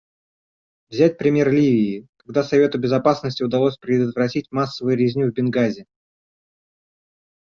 Взять пример Ливии, когда Совету Безопасности удалось предотвратить массовую резню в Бенгази.